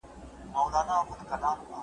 که خویندې ساتنه وکړي نو ارزښت به نه کمېږي.